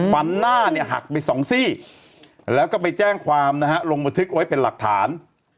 ฟันหน้าเนี่ยหักไปสองซี่แล้วก็ไปแจ้งความนะฮะลงบันทึกไว้เป็นหลักฐาน